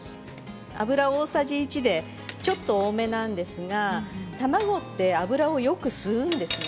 油大さじ１でちょっと多めなんですが卵って油をよく吸うんですよね。